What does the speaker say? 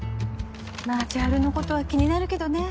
まあ千晴のことは気になるけどね。